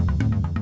rut mereka pertama